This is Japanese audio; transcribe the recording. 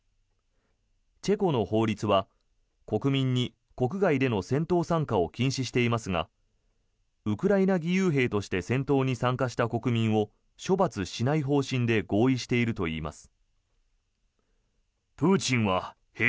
チェコの法律は国民に国外での戦闘参加を禁止していますがウクライナ義勇兵として戦闘に参加した国民を処罰しない方針で合意しているといいます。